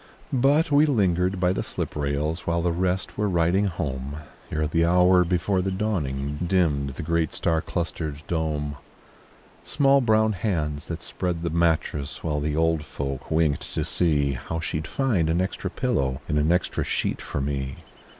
But we lingered by the slip rails While the rest were riding home, Ere the hour before the dawning, Dimmed the great star clustered dome. Small brown hands that spread the mattress While the old folk winked to see How she'd find an extra pillow And an extra sheet for me.